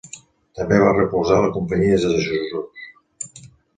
També va recolzar la Companyia de Jesús.